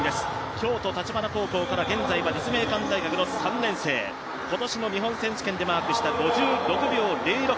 京都の高校から現在は立命館大学の３年生今年の日本選手権でマークした５６秒０６。